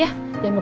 aduh aduh aduh